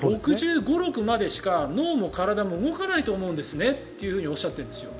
６５６６までしか脳も体も動かないと思うんですねっておっしゃっているんですね。